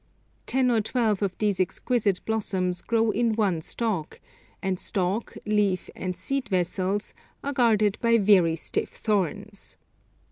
Ten or twelve of these exquisite blossoms grow on one stalk, and stalk, leaf, and seed vessels are guarded by very stiff thorns.